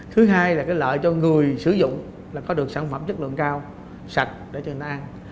thứ hai là cái lợi cho người sử dụng là có được sản phẩm chất lượng cao sạch để cho nó ăn